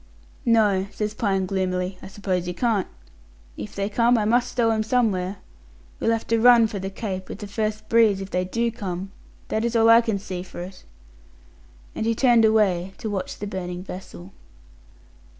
"No," says Pine gloomily, "I suppose you can't. If they come, I must stow 'em somewhere. We'll have to run for the Cape, with the first breeze, if they do come, that is all I can see for it," and he turned away to watch the burning vessel.